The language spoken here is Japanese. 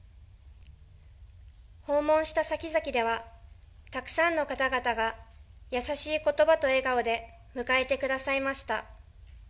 訪問したさきざきでは、たくさんの方々が優しいことばと笑顔で迎えてくださいました。